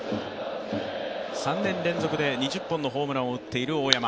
３年連続で２０本のホームランを打っている大山。